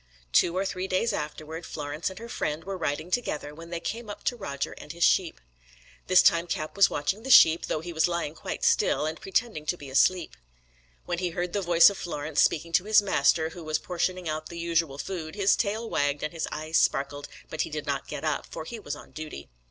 Two or three days afterward Florence and her friend were riding together, when they came up to Roger and his sheep. This time Cap was watching the sheep, though he was lying quite still, and pretending to be asleep. When he heard the voice of Florence speaking to his master, who was portioning out the usual food, his tail wagged and his eyes sparkled, but he did not get up, for he was on duty.